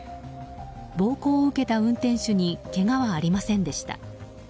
暴行を受けた運転手にけがはありませんでした。